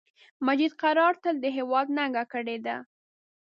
مجید قرار تل د هیواد ننګه کړی ده